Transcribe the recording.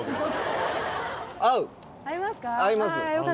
合いますか？